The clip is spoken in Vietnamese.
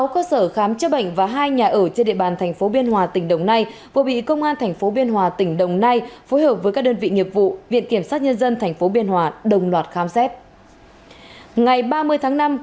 sáu cơ sở khám chữa bệnh và hai nhà ở trên địa bàn tp biên hòa tỉnh đồng nay vừa bị công an tp biên hòa tỉnh đồng nay phối hợp với các đơn vị nghiệp vụ viện kiểm sát nhân dân tp biên hòa đồng loạt khám xét